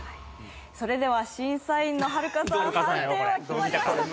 それでは審査員のはるかさん判定は決まりましたか？